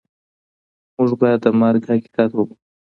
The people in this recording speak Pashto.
موږ باید د مرګ حقیقت ومنو.